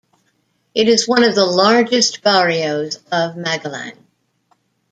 It is one of the largest barrios of Magalang.